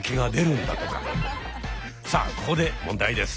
さあここで問題です。